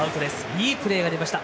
いいプレーが出ました。